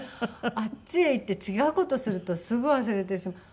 あっちへ行って違う事するとすぐ忘れてしまう。